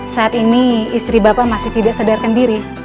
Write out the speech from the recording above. saat ini istri bapak masih tidak sadarkan diri